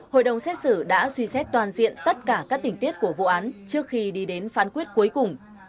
hội đồng xét xử đã suy xét toàn diện tất cả các tình tiết của vụ án trước khi đi đến phán quyết cuối cùng